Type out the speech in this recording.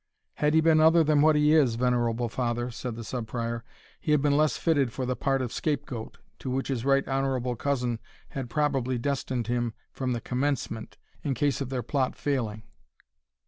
"Had he been other than what he is, venerable father," said the Sub Prior, "he had been less fitted for the part of scape goat, to which his Right Honourable Cousin had probably destined him from the commencement, in case of their plot failing.